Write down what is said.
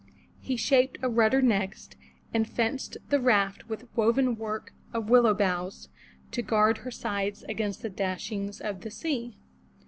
He shaped a rudder next, and fenced the raft with woven work of willow boughs, to guard her sides against the dashings of the sea.